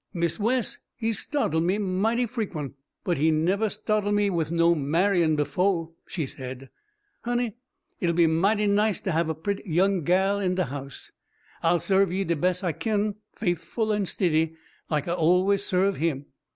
"Mist' Wes, he stahtle me mighty frequen', but he nevah stahtle me with no marryin' befo'," she said. "Honey, it'll be mighty nice to have a pret' young gal in de house. I'll serve you de bes' I kin, faithful an' stiddy, like I always serve him.